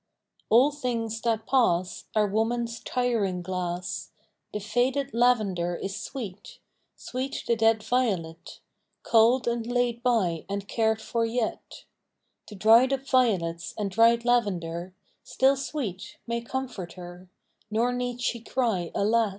All things that pass Are woman's tiring glass ; The faded lavender is sweet, Sweet the dead violet Culled and laid by and cared for yet; The dried up violets and dried lavender Still sweet, may comfort her, Nor need she cry Alas!